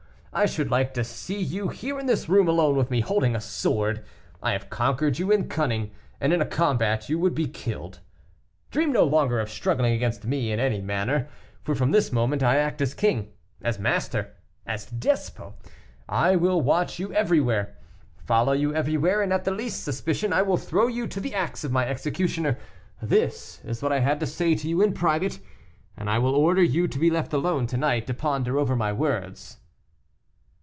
I should like to see you here in this room alone with me, holding a sword. I have conquered you in cunning, and in a combat you would be killed. Dream no longer of struggling against me in any manner, for from this moment I act as king as master as despot; I shall watch you everywhere, follow you everywhere, and, at the least suspicion, I will throw you to the axe of my executioner. This is what I had to say to you in private, and I will order you to be left alone to night to ponder over my words."